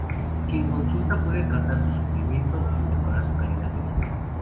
Quien consulta pueda tratar su sufrimiento y mejorar su calidad de vida.